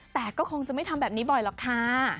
แต่ก็คงจะไม่ทำแบบนี้บ่อยหรอกค่ะ